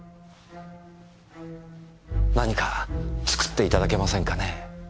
何か作っていただけませんかねぇ？